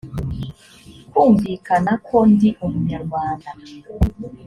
kumvikana ko ndi umunyarwanda